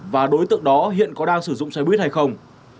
và đối tượng đó hiện có đang sử dụng xe buýt hay không